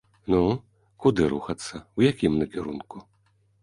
Ну, куды рухацца, у якім накірунку?